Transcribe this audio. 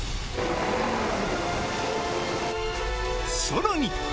さらに！